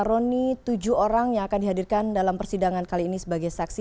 roni tujuh orang yang akan dihadirkan dalam persidangan kali ini sebagai saksi